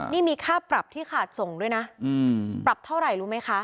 นี่มีค่าปรับที่ขาดส่งด้วยนะปรับเท่าไหร่รู้ไหมคะ